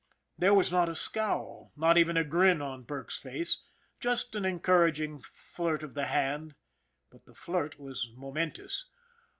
There was not a scowl, not even a grin on Burke's face, just an encouraging flirt of the hand but the flirt was momentous.